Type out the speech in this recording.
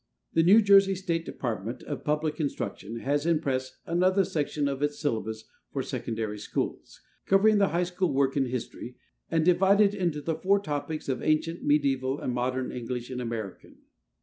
The New Jersey State Department of Public Instruction has in press another section of its syllabus for secondary schools, covering the high school work in history, and divided into the four topics of Ancient, Mediæval and Modern, English and American.